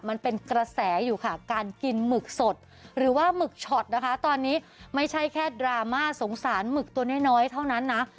มันเป็นกระแสอยู่ค่ะการกินหมึกสดหรือว่าหมึกช็อตนะคะตอนนี้ไม่ใช่แค่ดราม่าสงสารหมึกตัวน้อยเท่านั้นนะ